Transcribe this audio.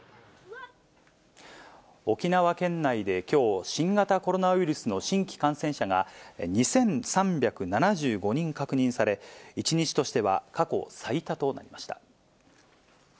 沖縄県内できょう、新型コロナウイルスの新規感染者が２３７５人確認され、１日としては過去最多となりました。